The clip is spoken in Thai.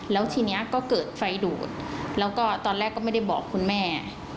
แล้วทีนี้ก็เกิดไฟดูดแล้วก็ตอนแรกก็ไม่ได้บอกคุณแม่